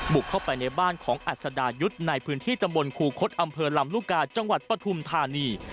บุกเข้าไปในบ้านของอัศดายุทธ์ในพื้นที่ตำบลคูคศอำเภอลำลูกกาจังหวัดปฐุมธานี